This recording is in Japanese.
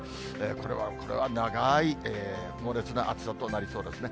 これはこれは長い猛烈な暑さとなりそうですね。